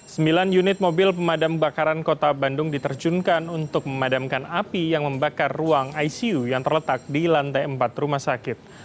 sembilan unit mobil pemadam kebakaran kota bandung diterjunkan untuk memadamkan api yang membakar ruang icu yang terletak di lantai empat rumah sakit